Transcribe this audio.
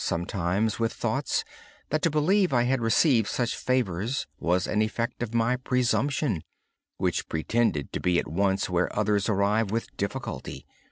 I was sometimes troubled with thoughts that to believe I had received such favors was an effect of my imagination, which pretended to be so soon where others arrived with great difficulty.